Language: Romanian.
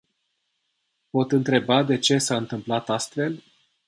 Pot întreba de ce s-a întâmplat astfel?